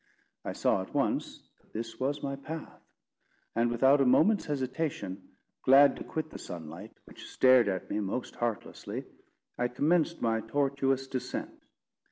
I saw at once that this was my path; and without a moment's hesitation, glad to quit the sunlight, which stared at me most heartlessly, I commenced my tortuous descent.